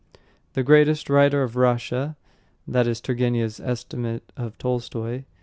"The greatest writer of Russia." That is Turgenev's estimate of Tolstoy.